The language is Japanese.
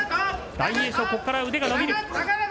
大栄翔、ここから腕が伸びる。